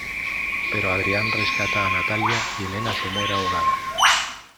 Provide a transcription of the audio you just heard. Pero Adrián rescata a Natalia y Elena se muere ahogada.